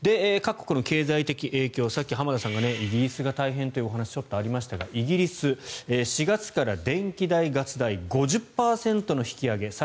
各国の経済的影響はさっき浜田さんがイギリスが大変だという話もありましたがイギリスは４月から電気代・ガス代５０％の引き上げ。